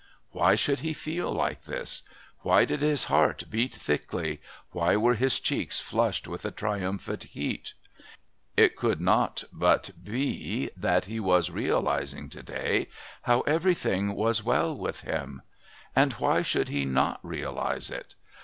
Why should he feel like this? Why did his heart beat thickly, why were his cheeks flushed with a triumphant heat? It could not but be that he was realising to day how everything was well with him. And why should he not realise it?